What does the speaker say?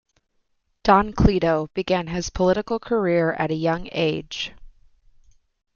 "Don Cleto" began his political career at a young age.